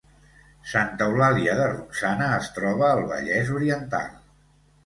Santa Eulàlia de Ronçana es troba al Vallès Oriental